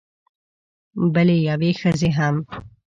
بلې یوې ښځې هم